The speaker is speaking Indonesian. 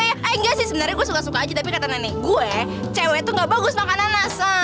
iya ya eh enggak sih sebenernya gue suka suka aja tapi kata nenek gue cewek tuh gak bagus makan nanas